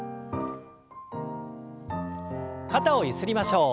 肩をゆすりましょう。